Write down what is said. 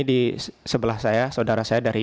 di sebelah saya saudara saya dari